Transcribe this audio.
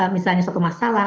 misalnya satu masalah